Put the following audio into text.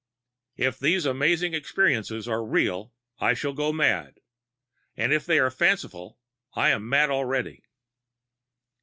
If these amazing experiences are real I shall go mad; if they are fanciful I am mad already.